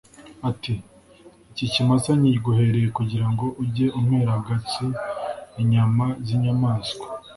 ati: "Iki kimasa nkiguhereye kugira ngo ujye umpera Gatsi inyama z'inyamaswa